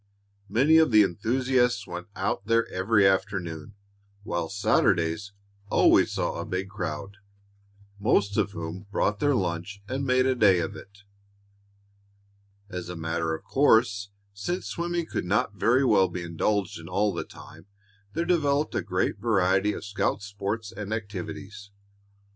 Many of the enthusiasts went out there every afternoon, while Saturdays always saw a big crowd, most of whom brought their lunch and made a day of it. As a matter of course, since swimming could not very well be indulged in all the time, there developed a great variety of scout sports and activities.